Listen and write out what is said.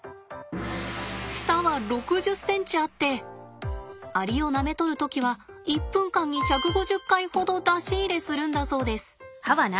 舌は６０ｃｍあってアリをなめ取る時は１分間に１５０回ほど出し入れするんだそうです。